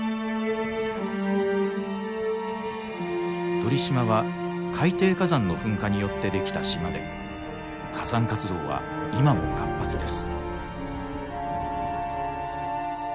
鳥島は海底火山の噴火によって出来た島で火山活動は今も活発です。